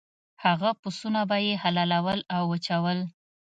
هغه پسونه به یې حلالول او وچول.